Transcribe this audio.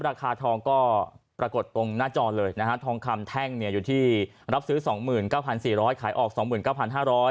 ราคาทองก็ปรากฏตรงหน้าจอเลยนะฮะทองคำแท่งเนี่ยอยู่ที่รับซื้อ๒๙๔๐๐ขายออก๒๙๕๐๐บาท